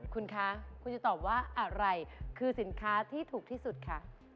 คุณคะคุณจะตอบว่าอะไรคือสินค้าที่ถูกที่สุดคะ